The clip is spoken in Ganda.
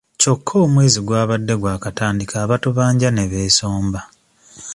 Kyokka omwezi gw'abadde gwakatandika abatubanja ne beesomba.